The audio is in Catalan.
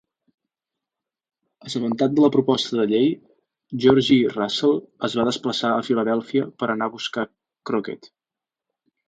Assabentat de la proposta de llei, Georgie Russell es va desplaçar a Filadèlfia per anar a buscar Crockett.